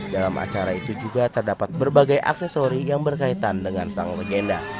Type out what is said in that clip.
dalam acara itu juga terdapat berbagai aksesori yang berkaitan dengan sang legenda